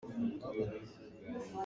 Saihawk cu a thur ngai.